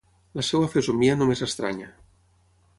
La seva fesomia no m'és estranya.